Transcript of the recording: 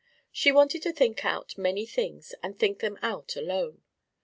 She wanted to think out many things and think them out alone.